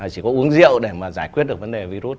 chỉ có uống rượu để mà giải quyết được vấn đề virus